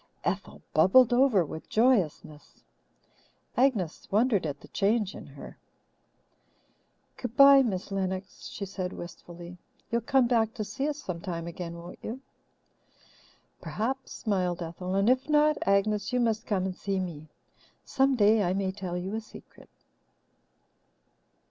Ethel bubbled over with joyousness. Agnes wondered at the change in her. "Good bye, Miss Lennox," she said wistfully. "You'll come back to see us some time again, won't you?" "Perhaps," smiled Ethel, "and if not, Agnes, you must come and see me. Some day I may tell you a secret."